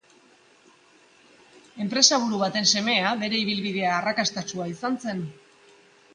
Enpresaburu baten semea, bere ibilbidea arrakastatsua izan zen.